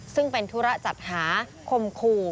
ซึ่งเป็นธุระจัดหาคมคู่